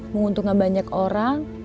menguntungkan banyak orang